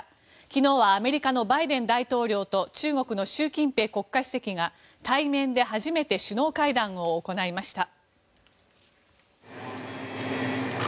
昨日はアメリカのバイデン大統領と中国の習近平国家主席が対面で初めて首脳会談を行いました。